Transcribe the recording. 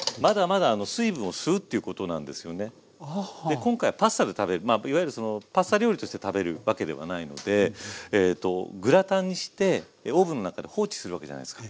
今回はパスタで食べるいわゆるそのパスタ料理として食べるわけではないのでグラタンにしてオーブンの中で放置するわけじゃないですか。